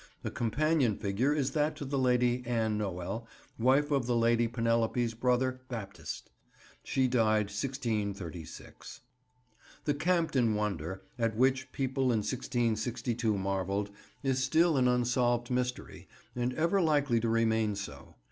A companion figure is that to the Lady Anne Noel, wife of the Lady Penelope's brother, Baptist. She died 1636. [Picture: Chipping Campden Church] The "Campden Wonder," at which people in 1662 marvelled, is still an unsolved mystery, and ever likely to remain so.